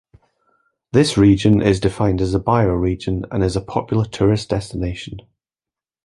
This region is defined as a bioregion and is a popular tourist destination.